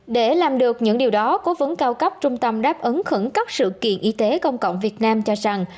để làm được những điều đó cố vấn cao cấp trung tâm đáp ứng khẩn cấp sự kiện y tế công cộng việt nam cho rằng